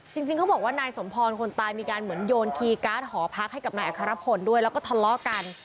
จริงเขาบอกว่านายสมพรคนตายมีการเหมือนโยนคีย์การ์ดหอพักให้กับนายอัครพลด้วยแล้วก็ทะเลาะกัน